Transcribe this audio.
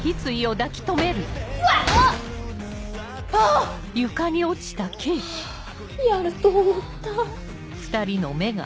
ハァやると思った。